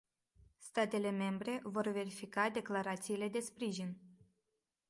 Statele membre vor verifica declarațiile de sprijin.